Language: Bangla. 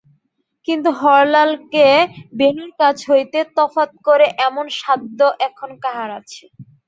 কিন্তু হরলালকে বেণুর কাছ হইতে তফাত করে এমন সাধ্য এখন কাহার আছে।